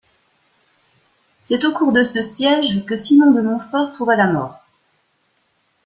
C’est au cours de ce siège que Simon de Montfort trouva la mort.